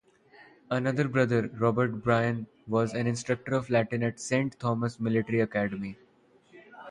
Another brother, Robert Byrne, was an instructor of Latin at Saint Thomas Military Academy.